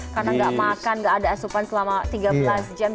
karena nggak makan nggak ada asupan selama tiga belas jam